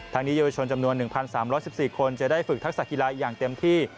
นี้เยาวชนจำนวน๑๓๑๔คนจะได้ฝึกทักษะกีฬาอย่างเต็มที่